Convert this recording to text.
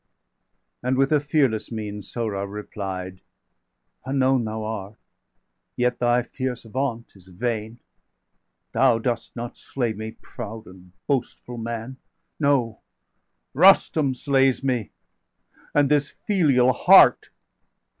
And, with a fearless mien, Sohrab replied: 540 "Unknown thou art; yet thy fierce vaunt is vain Thou dost not slay me, proud and boastful man! No! Rustum slays me, and this filial heart.